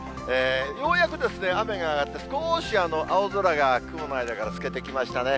ようやくですね、雨が上がって、少し青空が雲の間から透けてきましたね。